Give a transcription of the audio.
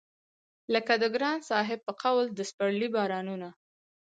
لکه د ګران صاحب په قول د سپرلي بارانونه